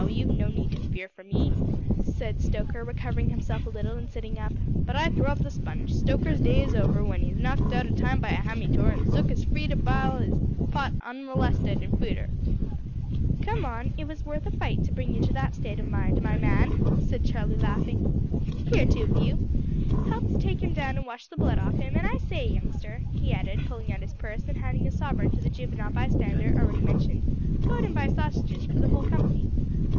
you've no need to fear for me," said Stoker recovering himself a little, and sitting up "but I throw up the sponge. Stoker's day is over w'en 'e's knocked out o' time by a hammytoor, and Zook is free to bile 'is pot unmorlested in futur'." "Come, it was worth a fight to bring you to that state of mind, my man," said Charlie, laughing. "Here, two of you, help to take him down and wash the blood off him; and I say, youngster," he added, pulling out his purse and handing a sovereign to the juvenile bystander already mentioned, "go out and buy sausages for the whole company."